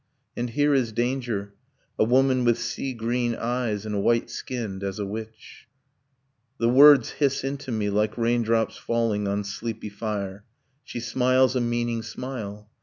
And here is danger a woman with sea green eyes, And white skinned as a witch ...' The words hiss into me, like raindrops falling On sleepy fire ... She smiles a meaning smile.